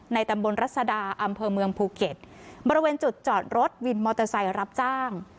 ตำบลรัศดาอำเภอเมืองภูเก็ตบริเวณจุดจอดรถวินมอเตอร์ไซค์รับจ้าง